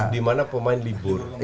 di mana pemain libur